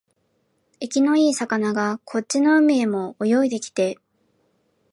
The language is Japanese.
生きのいい魚がこっちの海へも泳いできて、